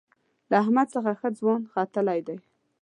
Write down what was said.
له احمد څخه ښه ځوان ختلی دی.